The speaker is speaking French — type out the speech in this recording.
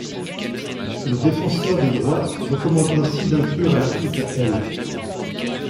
Le Défenseur des droits recommande ainsi d’inclure à l’article L.